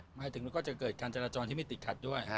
หมายถึงแล้วก็จะเกิดการจราจรที่ไม่ติดขัดด้วย